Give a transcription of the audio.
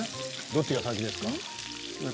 どっちが先ですか？